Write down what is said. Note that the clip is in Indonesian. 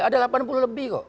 ada delapan puluh lebih kok